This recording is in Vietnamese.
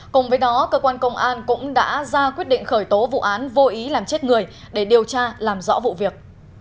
cùng với đó cơ quan công an cũng đã ra quyết định khởi tố vụ án vô ý làm chết người để điều tra làm rõ vụ việc